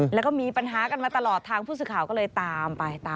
แล้วก็มีปัญหากันมาตลอดทางผู้สื่อข่าวก็เลยตามไป